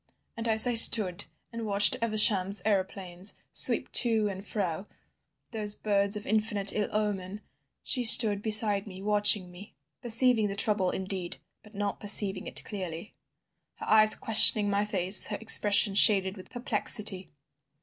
And as I stood and watched Evesham's aeroplanes sweep to and fro—those birds of infinite ill omen—she stood beside me watching me, perceiving the trouble indeed, but not perceiving it clearly—her eyes questioning my face, her expression shaded with perplexity.